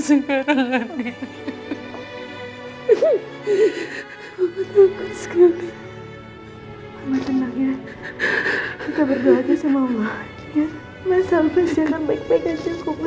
iyalah sama sama jangan penggen jago ma